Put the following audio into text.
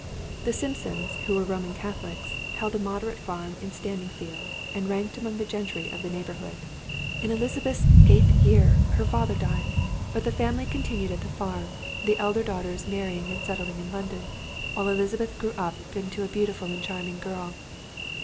The Simpsons, who were Roman Catholics, held a moderate farm in Standingfield, and ranked among the gentry of the neighbourhood. In Elizabeth's eighth year, her father died; but the family continued at the farm, the elder daughters marrying and settling in London, while Elizabeth grew up into a beautiful and charming girl.